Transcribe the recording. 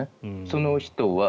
その人は。